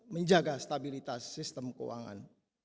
menjaga stabilitas sistem keuangan